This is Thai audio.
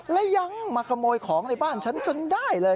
และยังมาขโมยของในบ้านฉันจนได้เลย